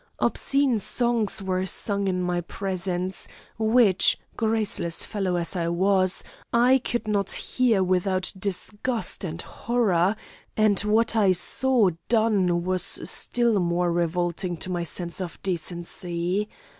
Obscene songs were sung in my presence, which, graceless fellow as I was, I could not hear without disgust and horror; and what I saw done, was still more revolting to my sense of decency.